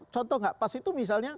contoh nggak pas itu misalnya